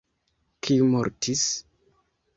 Kiu mortis?